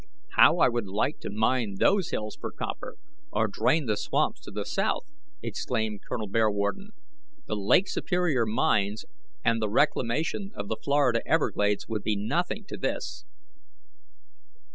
"How I should like to mine those hills for copper, or drain the swamps to the south!" exclaimed Col. Bearwarden. "The Lake Superior mines and the reclamation of the Florida Everglades would be nothing to this."